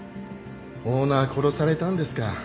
オーナー殺されたんですか。